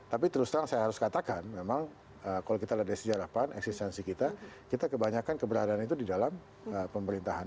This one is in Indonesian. tapi terus terang saya harus katakan memang kalau kita lihat dari sejarah pan eksistensi kita kita kebanyakan keberadaan itu di dalam pemerintahan